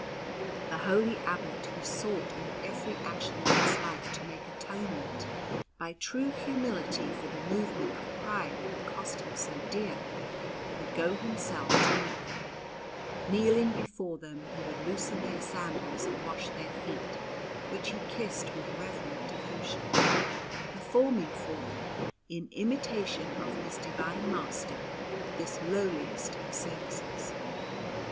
The holy abbot, who sought in every action of his life to make atonement by true humility for the movement of pride that had cost him so dear, would go himself to meet them. Kneeling before them he would loosen their sandals and wash their feet, which he kissed with reverent devotion; performing for them, in imitation of his Divine Master, this lowliest of services.